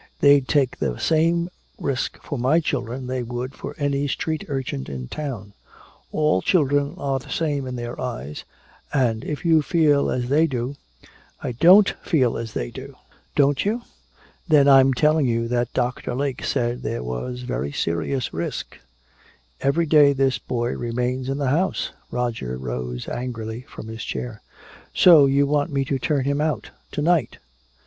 "They'd take the same risk for my children they would for any street urchin in town! All children are the same in their eyes and if you feel as they do " "I don't feel as they do!" "Don't you? Then I'm telling you that Doctor Lake said there was very serious risk every day this boy remains in the house!" Roger rose angrily from his chair: "So you want me to turn him out! To night!"